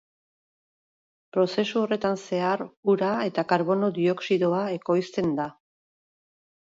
Prozesu horretan zehar ura eta karbono dioxidoa ekoizten da.